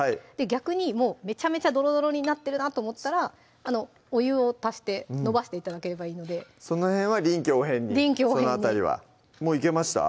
逆にもうめちゃめちゃどろどろになってるなと思ったらお湯を足してのばして頂ければいいのでその辺は臨機応変に臨機応変にもういけました？